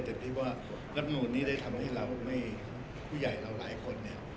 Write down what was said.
แต่ที่ว่ารัฐมนูลนี้ได้ทำให้เราไม่ผู้ใหญ่เราหลายคนเนี่ย